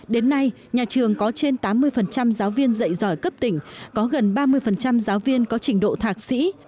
đến nay nhà trường có trên tám mươi giáo viên dạy giỏi cấp tỉnh có gần ba mươi giáo viên có trình độ thạc sĩ